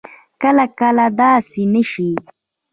کله کله داسې نه شي